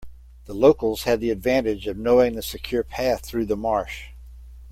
The locals had the advantage of knowing the secure path through the marsh.